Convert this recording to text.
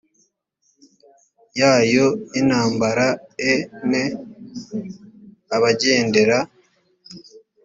yayo y intambara e n abagendera